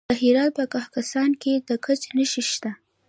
د هرات په کهسان کې د ګچ نښې شته.